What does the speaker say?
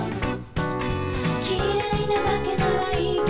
「きれいなだけならいいけど」